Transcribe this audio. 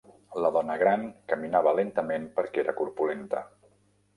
La dona gran caminava lentament perquè era corpulenta.